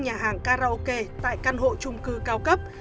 nhà hàng karaoke tại căn hộ trung cư cao cấp